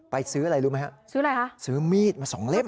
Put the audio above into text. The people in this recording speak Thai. ไปซื้ออะไรรู้ไหมฮะซื้อมีดมา๒เล่มซื้ออะไรฮะ